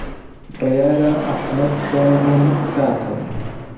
بڕیارە ئەحمەد بۆم ڕوون بکاتەوە.